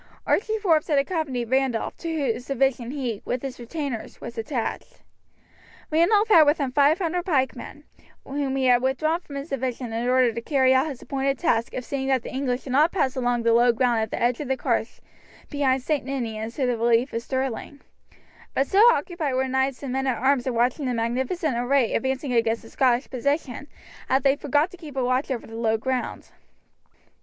Archie Forbes had accompanied Randolph, to whose division he, with his retainers, was attached. Randolph had with him 500 pikemen, whom he had withdrawn from his division in order to carry out his appointed task of seeing that the English did not pass along the low ground at the edge of the carse behind St. Ninians to the relief of Stirling; but so absorbed were knights and men at arms in watching the magnificent array advancing against the Scottish position that they forgot to keep a watch over the low ground.